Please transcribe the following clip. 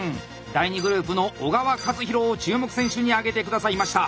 第２グループの小川和宏を注目選手に挙げて下さいました。